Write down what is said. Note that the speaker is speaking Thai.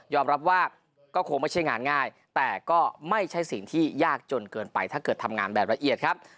รับว่าก็คงไม่ใช่งานง่ายแต่ก็ไม่ใช่สิ่งที่ยากจนเกินไปถ้าเกิดทำงานแบบละเอียดครับ